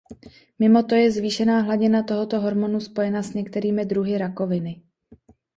Mimo to je zvýšená hladina tohoto hormonu spojena s některými druhy rakoviny.